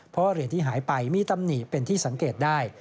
เพราะเหรียญที่หายไปมีตำหนิเป็นที่สังเกตได้